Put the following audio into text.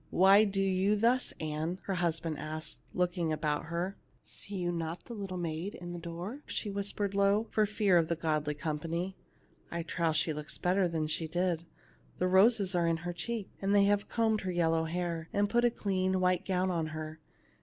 " Why do you thus, Ann ?" her husband asked, looking about at her. " See you not the little maid in the door ?" she whispered low, for fear of the goodly company. " I trow she looks better than she did. The roses are in her cheeks, and they have combed her yel low hair, and put a clean white gown on her.